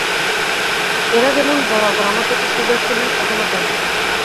এঁরা যেমন বরাবর আমার প্রতি সদয় ছিলেন, এখনও তাই।